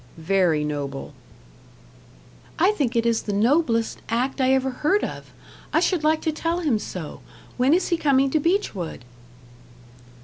"Very noble." "I think it is the noblest act I ever heard of. I should like to tell him so. When is he coming to Beechwood?"